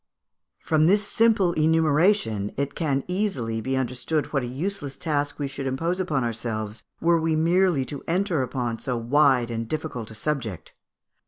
From this simple enumeration, it can easily be understood what a useless task we should impose upon ourselves were we merely to enter upon so wide and difficult a subject.